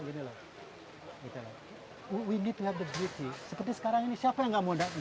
kita perlu punya keindahan seperti sekarang ini siapa yang tidak mau datang